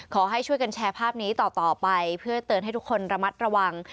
ขอให้ช่วยกันแชร์ภาพนี้ต่อไปเพื่อเตือนให้ทุกคนระมัดระวัง